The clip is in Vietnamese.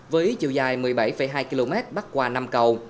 với chiều dài một mươi bảy hai km bắt qua năm cầu